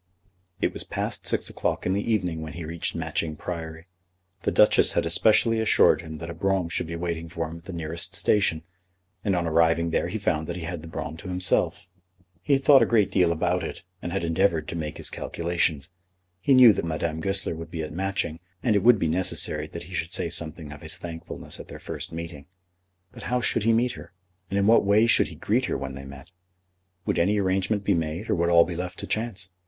It was past six o'clock in the evening when he reached Matching Priory. The Duchess had especially assured him that a brougham should be waiting for him at the nearest station, and on arriving there he found that he had the brougham to himself. He had thought a great deal about it, and had endeavoured to make his calculations. He knew that Madame Goesler would be at Matching, and it would be necessary that he should say something of his thankfulness at their first meeting. But how should he meet her, and in what way should he greet her when they met? Would any arrangement be made, or would all be left to chance?